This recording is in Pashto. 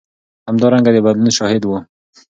همدارنګه د بدلون شاهد و.